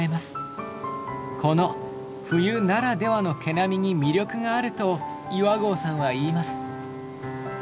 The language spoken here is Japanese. この冬ならではの毛並みに魅力があると岩合さんは言います。